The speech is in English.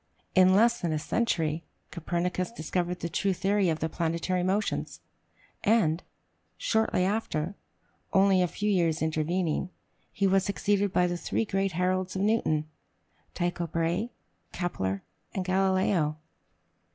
In less then a century, Copernicus discovered the true theory of the planetary motions; and, shortly after, only a few years intervening, he was succeeded by the three great heralds of Newton, Tycho Brahe, Kepler, and Galileo.